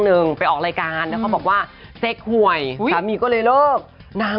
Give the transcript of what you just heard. คือเจ้าเหรอครับ